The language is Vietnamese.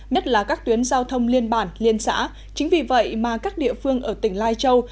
nhất là các tuyến giao thông liên bản liên xã chính vì vậy mà các địa phương ở tỉnh lai châu